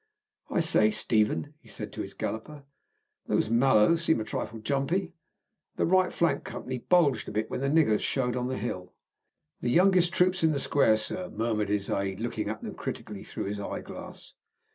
"I say, Stephen," said he to his galloper, "those Mallows seem a trifle jumpy. The right flank company bulged a bit when the niggers showed on the hill." "Youngest troops in the square, sir," murmured the aide, looking at them critically through his eye glass.